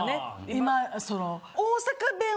今その。